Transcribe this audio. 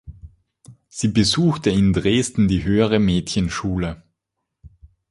Sie besuchte in Dresden die höhere Mädchenschule.